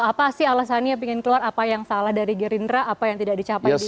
apa sih alasannya ingin keluar apa yang salah dari gerindra apa yang tidak dicapai gibran